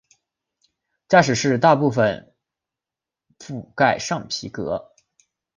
驾驶室大部份覆盖上皮革。